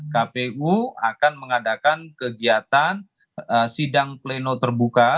kpu akan mengadakan kegiatan sidang pleno terbuka